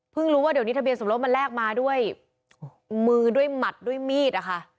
รู้ว่าเดี๋ยวนี้ทะเบียนสมรสมันแลกมาด้วยมือด้วยหมัดด้วยมีดอะค่ะ